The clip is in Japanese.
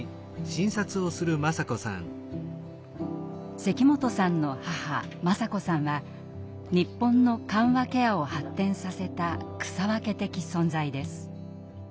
関本さんの母雅子さんは日本の緩和ケアを発展させた草分け的存在です。